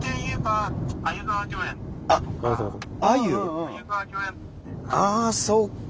ああそうか。